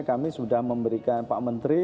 kami sudah memberikan pak menteri